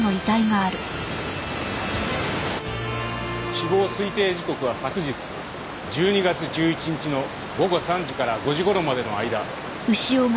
死亡推定時刻は昨日１２月１１日の午後３時から５時頃までの間。